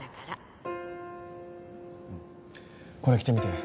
これ着てみて。